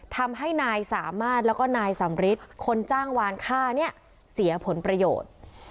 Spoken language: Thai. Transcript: ทำให้นายสามารถแล้วก็นายสำริทคนจ้างวานค่าเนี่ยเสียผลประโยชน์